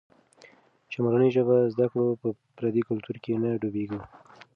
چي مورنۍ ژبه زده کړو، په پردي کلتور کې نه ډوبېږو.